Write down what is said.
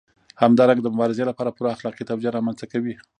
همدارنګه د مبارزې لپاره پوره اخلاقي توجیه رامنځته کوي.